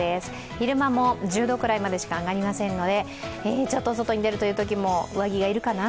昼間も１０度くらいまでしか上がりませんのでちょっと外に出るというときも上着が要るかな。